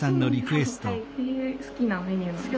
好きなメニューなんですか？